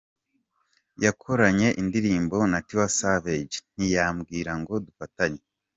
Yakoranye indirimbo na Tiwa Savage, ntiyambwira ngo dufatanye.